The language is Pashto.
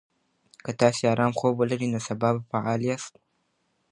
که تاسي ارام خوب ولرئ، نو سبا به فعال یاست.